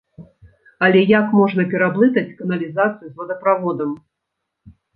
Але як можна пераблытаць каналізацыю з вадаправодам?